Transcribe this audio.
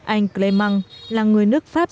anh clément là người nước pháp